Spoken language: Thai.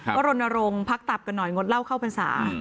ก็รนอรงพักตับกันหน่อยงดเล่าเข้าภาษา